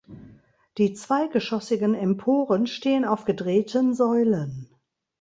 Die zweigeschossigen Emporen stehen auf gedrehten Säulen.